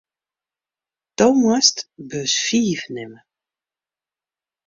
Do moatst bus fiif nimme.